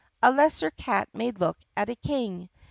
A lesser cat may look at a King!